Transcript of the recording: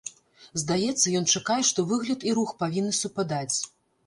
Здаецца, ён чакае, што выгляд і рух павінны супадаць.